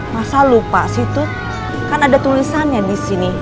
masa lupa sih tut kan ada tulisannya disini